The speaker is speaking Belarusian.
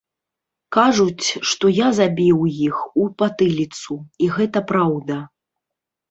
Кажуць, што я забіў іх у патыліцу, і гэта праўда.